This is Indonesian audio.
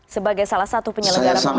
sebagai salah satu penyelenggara pemilu